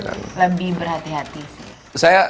lebih berhati hati sih ya